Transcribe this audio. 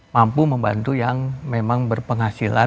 mampu membantu yang memang berpenghasilan